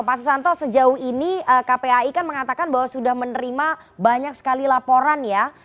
pak susanto sejauh ini kpai kan mengatakan bahwa sudah menerima banyak sekali laporan ya